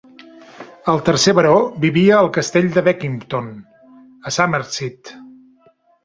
El tercer baró vivia al castell de Beckington a Somerset.